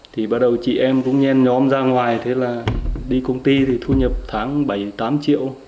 thì bắt đầu chị em cũng nhen nhóm ra ngoài thế là đi công ty thì thu nhập tháng bảy tám triệu